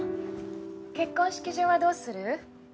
結婚式場はどうする？